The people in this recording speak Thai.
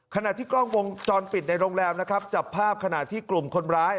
ขณะที่กล้องวงจรปิดในโรงแรมนะครับจับภาพขณะที่กลุ่มคนร้าย